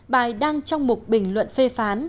bài đăng trong mục bình luận phê phán